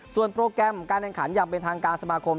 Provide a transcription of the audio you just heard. ส่วนโปรแกรมการแข่งขันอย่างเป็นทางการสมาคม